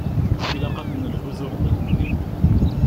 Ilaq ad d-nelhu d uɣbel-nni.